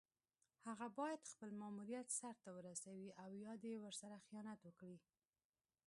هغه باید خپل ماموریت سر ته ورسوي او یا دې ورسره خیانت وکړي.